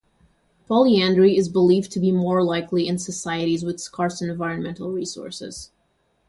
Polyandry is believed to be more likely in societies with scarce environmental resources.